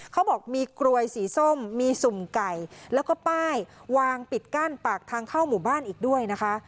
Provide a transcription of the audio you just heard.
เขาบอกมีกลวยสีส้มมีสุ่มไก่แล้วก็ป้ายวางปิดกั้นปากทางเข้าหมู่บ้านอีกด้วยนะคะ